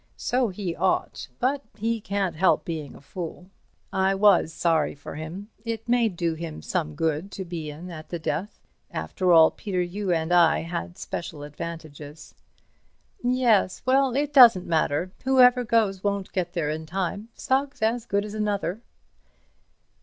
So he ought, but he can't help being a fool. I was sorry for him. It may do him some good to be in at the death. After all, Peter, you and I had special advantages." "Yes. Well, it doesn't matter. Whoever goes won't get there in time. Sugg's as good as another."